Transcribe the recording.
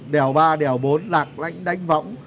đèo ba đèo bốn lạc lãnh đánh võng